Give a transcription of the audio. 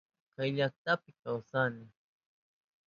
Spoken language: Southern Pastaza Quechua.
Kayllapimi kawsani.